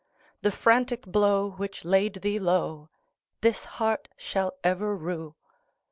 The frantic blow which laid thee lowThis heart shall ever rue."